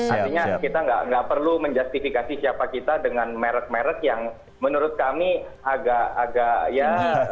artinya kita nggak perlu menjustifikasi siapa kita dengan merek merek yang menurut kami agak agak ya